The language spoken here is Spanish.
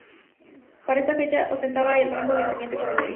Para esa fecha ostentaba el rango de teniente coronel.